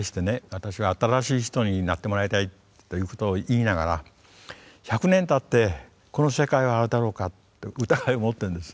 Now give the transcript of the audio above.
私は「新しい人」になってもらいたいということを言いながら１００年たってこの世界はあるだろうかと疑いを持ってるんです。